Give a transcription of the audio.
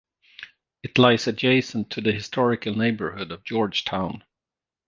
It lies adjacent to the historical neighbourhood of George Town.